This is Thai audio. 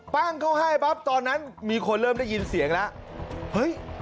ปั้งเข้าให้ตอนนั้นมีคนเริ่มได้ยินเสียงแล้ว